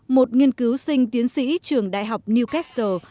một nghiên cứu sinh tiến sĩ trường đại học newcastle